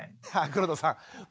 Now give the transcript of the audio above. さあ黒田さん